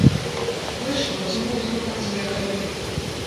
Вы што, з глузду там з'ехалі?